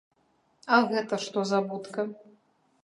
А гэта, што за будка?